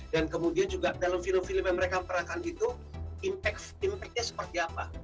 dan kemudian juga dalam film film yang mereka perankan itu impact nya seperti apa